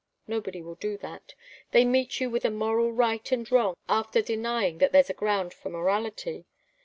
Nobody will do that. They meet you with a moral right and wrong, after denying that there's a ground for morality.